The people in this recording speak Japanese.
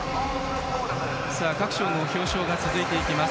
各賞の表彰が続いていきます。